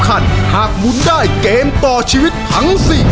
ครอบครัวของแม่ปุ้ยจังหวัดสะแก้วนะครับ